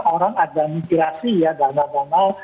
orang ada mikirasi ya gama gama